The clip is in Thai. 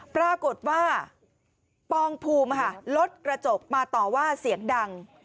ปรากฏว่าปองภูมิรถกระจกมาต่อว่าเสียงดัง